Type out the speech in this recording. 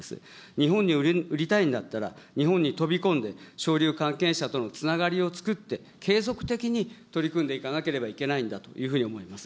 日本に売りたいんだったら、日本に飛び込んで、商流関係者とのつながりをつくって、継続的に取り組んでいかなければいけないんだというふうに思います。